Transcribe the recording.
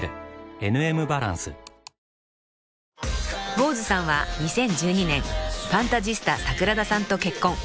［Ｂｏｓｅさんは２０１２年ファンタジスタさくらださんと結婚］